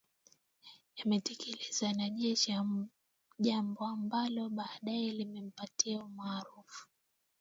yaliyotekelezwa na jeshi jambo ambalo baadae lilimpatia umaarufu